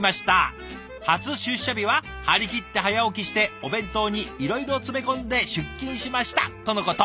初出社日は張り切って早起きしてお弁当にいろいろ詰め込んで出勤しました」とのこと。